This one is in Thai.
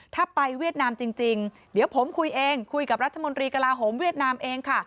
ถ้าไปเวียดนามจริงเดี๋ยวผมคุยเองคุยกับรัฐมนตรีกระลาโหมเวียดนามเองค่ะ